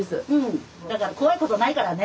だから怖いことないからね。